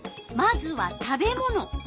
まずは「食べもの」。